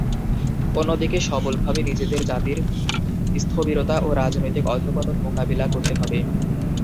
অন্যদিকে, সবলভাবে নিজেদের জাতির স্থবিরতা ও রাজনৈতিক অধঃপতন মোকাবিলা করতে হবে।